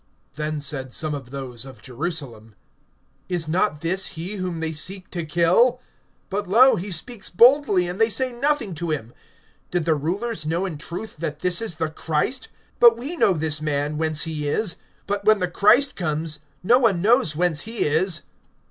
(25)Then said some of those of Jerusalem: Is not this he whom they seek to kill? (26)But, lo, he speaks boldly, and they say nothing to him. Did the rulers know[7:26] in truth that this is the Christ? (27)But we know this man, whence he is; but when the Christ comes, no one knows whence he is.